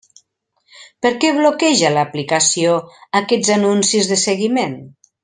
Per què bloqueja l'aplicació aquests anuncis de seguiment?